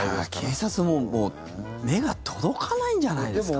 警察も目が届かないんじゃないですか。